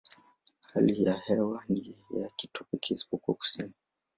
Hali ya hewa ni ya kitropiki isipokuwa kusini.